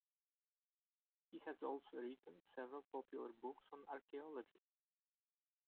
He has also written several popular books on archaeology.